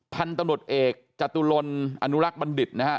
พันธุ์ตำรวจเอกจตุลนอนุรักษ์บัณฑิตนะฮะ